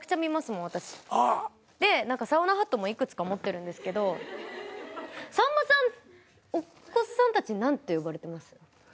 でサウナハットもいくつか持ってるんですけどさんまさんお子さんたちに何て呼ばれてます？